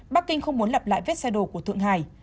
bắc kinh không muốn lập lại vết xe đồ của thượng hải